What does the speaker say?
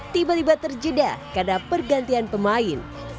tiba tiba terjeda karena pergantian pemain